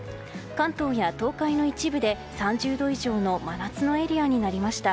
関東や東海の一部で３０度以上の真夏のエリアになりました。